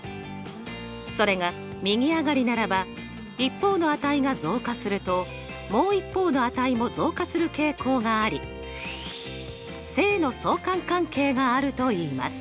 それが右上がりならば一方の値が増加するともう一方の値も増加する傾向があり正の相関関係があるといいます。